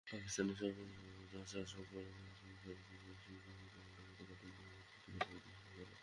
পাকিস্তানের সাবেক সেনাশাসক পারভেজ মোশাররফকে রাষ্ট্রদ্রোহ মামলায় গতকাল সোমবার অভিযুক্ত করেছেনে বিশেষ আদালত।